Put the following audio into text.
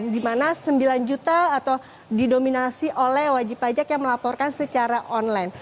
di mana sembilan juta atau didominasi oleh wajib pajak yang melaporkan secara online